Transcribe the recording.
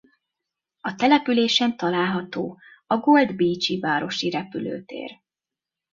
A településen található a Gold Beach-i városi repülőtér.